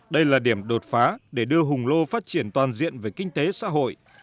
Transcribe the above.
đây là điểm đột phá để đưa hùng lô phát triển toàn diện về kinh tế xã hội